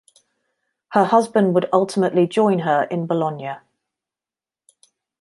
Her husband would ultimately join her in Bologna.